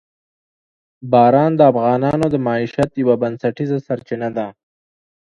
باران د افغانانو د معیشت یوه بنسټیزه سرچینه ده.